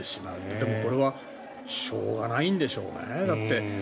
でも、これはしょうがないんでしょうね。